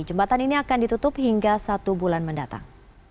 jembatan ini akan ditutup hingga satu bulan mendatang